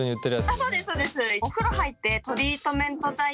あっそうですそうです！